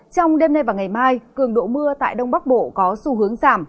trong đêm nay và ngày mai cường độ mưa tại đông bắc bộ có xu hướng giảm